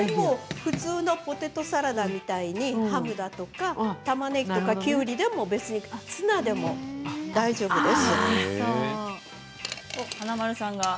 普通のポテトサラダみたいにハムやたまねぎやきゅうりやツナでも大丈夫です。